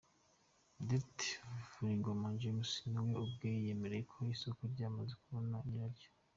Dr Vuningoma James niwe ubwe wiyemereye ko isoko ryamaze kubona nyiraryo.